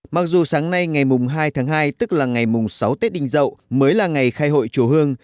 mặc dù sáng nay ngày hai tháng hai tức là ngày sáu tết đình dậu mới là ngày khai hội chủ hương